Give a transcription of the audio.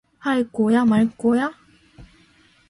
할 거야, 말 거야?